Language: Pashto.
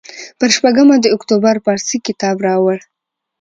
پر شپږمه د اکتوبر پارسي کتاب راوړ.